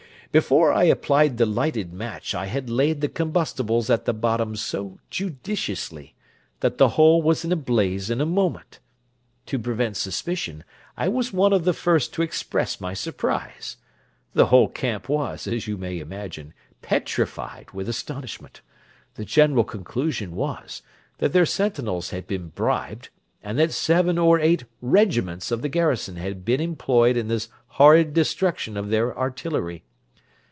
Before I applied the lighted match I had laid the combustibles at the bottom so judiciously, that the whole was in a blaze in a moment. To prevent suspicion I was one of the first to express my surprise. The whole camp was, as you may imagine, petrified with astonishment: the general conclusion was, that their sentinels had been bribed, and that seven or eight regiments of the garrison had been employed in this horrid destruction of their artillery.